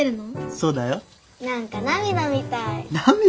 そうだよ。何か涙みたい。涙？